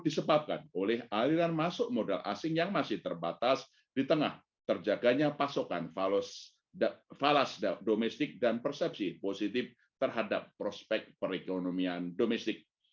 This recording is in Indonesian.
disebabkan oleh aliran masuk modal asing yang masih terbatas di tengah terjaganya pasokan falas domestik dan persepsi positif terhadap prospek perekonomian domestik